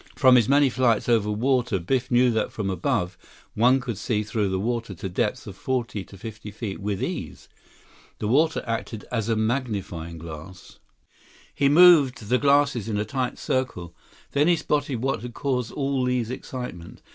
From his many flights over water, Biff knew that from above, one could see through the water to depths of forty to fifty feet with ease. The water acted as a magnifying glass. He moved the glasses in a tight circle. Then he spotted what had caused all Li's excitement.